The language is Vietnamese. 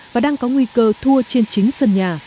và đang có nguy cơ thua trên chính sân nhà